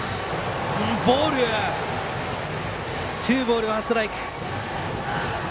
ツーボール、ワンストライク。